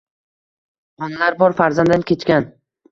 Onalar bor farzanddan kechgan